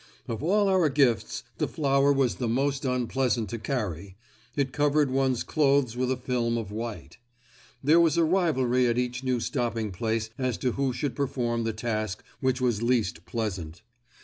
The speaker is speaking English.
Of all our gifts the flour was the most unpleasant to carry; it covered one's clothes with a film of white. There was a rivalry at each new stopping place as to who should perform the task which was least pleasant.